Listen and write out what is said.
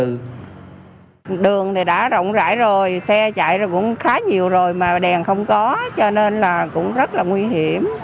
ngoài ra đường đã rộng rãi rồi xe chạy cũng khá nhiều rồi mà đèn không có cho nên là cũng rất là nguy hiểm